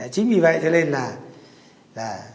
chính vì vậy cho nên là